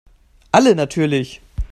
Alle natürlich.